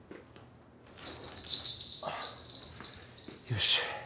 よし。